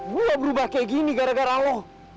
gue berubah kayak gini gara gara lo